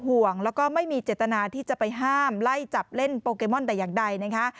ห่วงแล้วก็ไม่มีเจตนาที่จะไปห้ามไล่จับเล่นโปเกมอนแต่อย่างใดนะคะ